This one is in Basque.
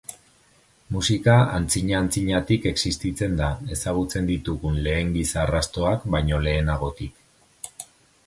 Musika antzina-antzinatik existitzen da, ezagutzen ditugun lehen giza-arrastoak baino lehenagotik.